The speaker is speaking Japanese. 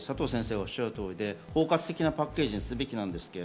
おっしゃる通りで包括的なパッケージにすべきです。